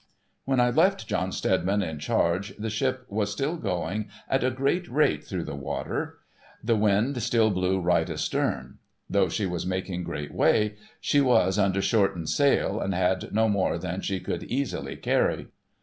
When I left John Steadiman in charge, the ship was still going at a great rate through the water. The wind still blew right astern. Though she was making great way, she was under shortened sail, and had no more than she could easily carry.